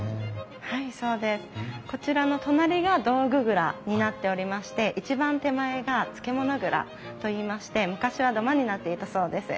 はいそうです。こちらの隣が道具蔵になっておりまして一番手前が漬物蔵といいまして昔は土間になっていたそうです。